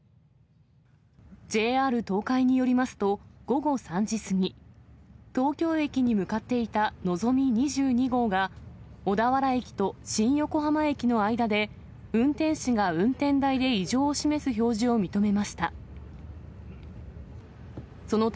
ＪＲ東海によりますと、午後３時過ぎ、東京駅に向かっていたのぞみ２２号が、小田原駅と新横浜駅の間で運転士が運転台で異常を示す表示を認めました。